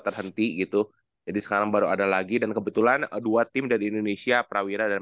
terhenti gitu jadi sekarang baru ada lagi dan kebetulan dua tim dari indonesia prawira dan